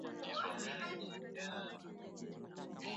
katika kulaani nchi za magharibi kwa kuingilia siasa za afrika